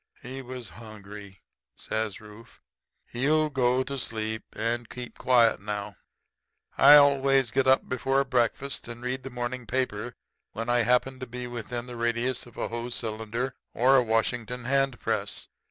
"'He was hungry,' says Rufe. 'He'll go to sleep and keep quiet now.' "I always get up before breakfast and read the morning paper whenever I happen to be within the radius of a Hoe cylinder or a Washington hand press.